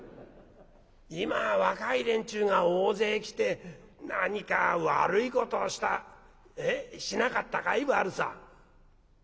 「今若い連中が大勢来て何か悪いことをしたしなかったかい？悪さ」。